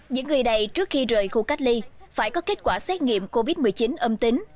những người đầy trước khi rời khu cách ly phải có kết quả xét nghiệm covid một mươi chín âm tính